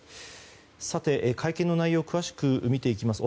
会見の内容を詳しく見ていきます。